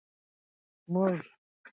موږ باید د تاوان مخه ونیسو.